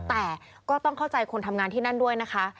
แต่ก็ต้องเข้าใจคนทำงานที่นั่นด้วยนะคะ